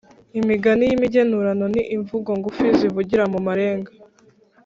imigani y’imigenurano ni imvugo ngufi zivugira mu marenga